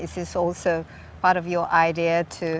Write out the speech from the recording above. apakah ini juga bagian dari ide anda